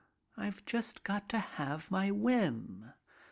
I've just got to have my whim.